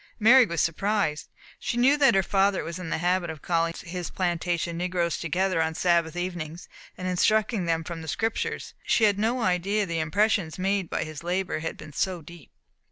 Mary was surprised. She knew that her father was in the habit of calling his plantation negroes together on Sabbath evenings, and instructing them from the Scriptures, but she had no idea that the impressions made by his labour had been so deep.